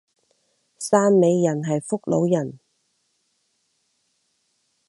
汕尾人係福佬人